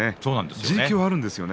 地力はあるんですよね。